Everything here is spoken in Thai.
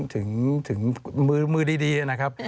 ถึงมือดีนะครับ